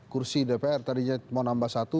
kursi dpr tadinya mau nambah satu